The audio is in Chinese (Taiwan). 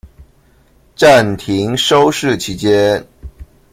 暫停收視期間